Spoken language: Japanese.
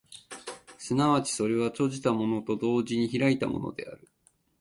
即ちそれは閉じたものであると同時に開いたものである。